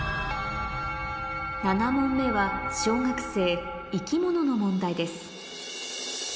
７問目は小学生の問題です